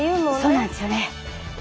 そうなんですよね。